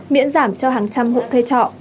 miễn giảm cho hàng trăm hội thuê trọ